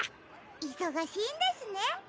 いそがしいんですね。